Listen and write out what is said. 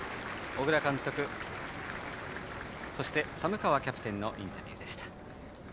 小倉監督、寒川キャプテンのインタビューでした。